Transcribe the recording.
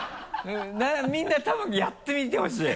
みんなやってみてほしい！